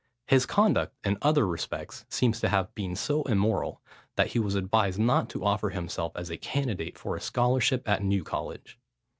His conduct in other respects seems to have been so immoral, that he was advised not to offer himself as a candidate for a scholarship at New College.